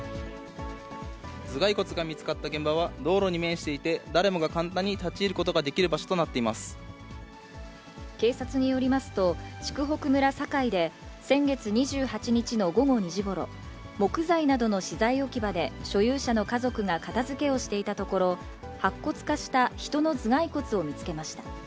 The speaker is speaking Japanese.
頭蓋骨が見つかった現場は、道路に面していて、誰もが簡単に立ち入ることができる場所となっ警察によりますと、築北村坂井で先月２８日の午後２時ごろ、木材などの資材置き場で、所有者の家族が片づけをしていたところ、白骨化した人の頭蓋骨を見つけました。